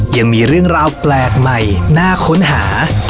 ยังมีเรื่องราวแปลกใหม่น่าค้นหา